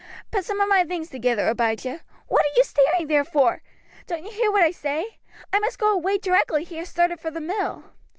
Put some of my things together, Abijah. What are you staring there for? Don't you hear what I say? I must go away directly he has started for the mill."